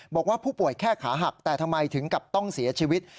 บอกว่าผู้ป่วยแค่ขาหักแต่ทำไมถึงกับต้องเสียชีวิต